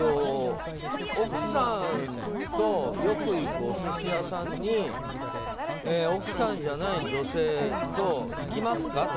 奥さんとよく行くお寿司屋さんに奥さんじゃない女性と行きますか？